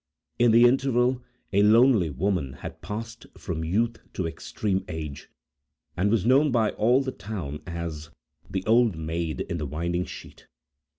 In the interval, a lonely woman had passed from youth to extreme age, and was known by all the town, as the "Old Maid in the Winding Sheet."